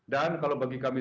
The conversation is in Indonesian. dan kalau bagi kami